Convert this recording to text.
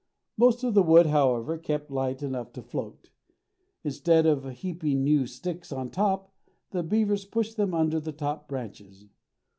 Most of the wood, however, kept light enough to float. Instead of heaping new sticks on top, the beavers pushed them under the top branches.